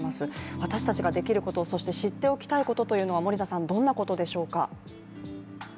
私たちができること、そして知っておきたいことというのは森田さん、どんなことでしょうか？